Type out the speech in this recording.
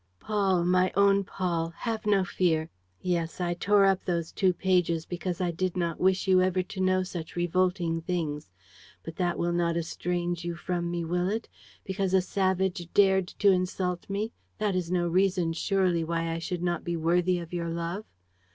_ "Paul, my own Paul, have no fear. Yes, I tore up those two pages because I did not wish you ever to know such revolting things. But that will not estrange you from me, will it? Because a savage dared to insult me, that is no reason, surely, why I should not be worthy of your love?